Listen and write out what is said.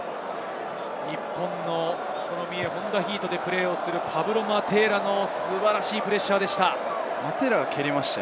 日本の三重ホンダヒートでプレーするパブロ・マテーラの素晴らしいプレッシャーでした。